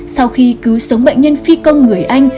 sau khi cứu sống bệnh nhân phi công người anh